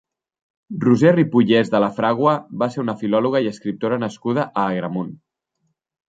Roser Ripollés de la Fragua va ser una filòloga i escriptora nascuda a Agramunt.